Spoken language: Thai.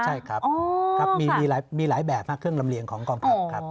ใช่ครับมีหลายแบบเครื่องลำเลียงของกองทัพครับ